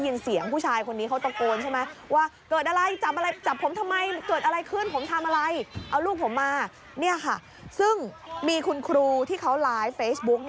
นี่ค่ะซึ่งมีคุณครูที่เขาไลน์เฟซบุ๊ค